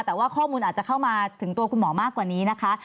แต่ว่าข้อมูลอาจจะเข้ามาถึงตัวคุณหมอมากกว่านี้นะคะ